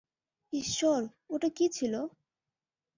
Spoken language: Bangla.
ঈশ্বর, ওটা কী ছিল?